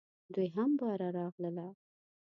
دوی هم باره راغله .